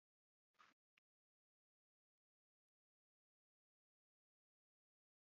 dore imiryango y’abayisraheli yari yaravuye mu misiri.